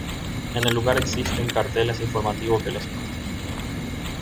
En el lugar existen carteles informativos que lo muestran.